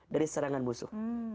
dari serangan musuh